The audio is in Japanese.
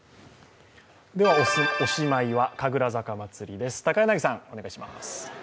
おしまいは神楽坂まつりです。